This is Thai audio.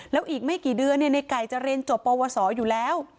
แล้วอีกไม่กี่เดือนในไก่จะเรียนจบปวสออยู่แล้ว